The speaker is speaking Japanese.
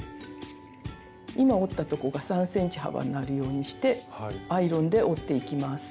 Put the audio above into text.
今折ったとこが３ｃｍ幅になるようにしてアイロンで折っていきます。